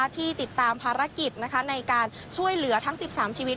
ที่ติดตามภารกิจในการช่วยเหลือทั้ง๑๓ชีวิต